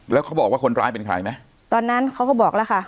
แล้วเขาบอกว่าคนร้ายเป็นใครไหมตอนนั้นเขาก็บอกแล้วค่ะ